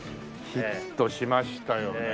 ヒットしましたよね。